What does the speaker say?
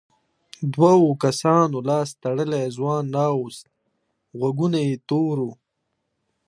دوو کسانو لاس تړلی ځوان راووست غوږونه یې تور وو.